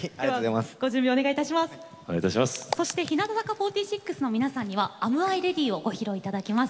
そして日向坂４６の皆さんには「ＡｍＩｒｅａｄｙ？」をご披露いただきます。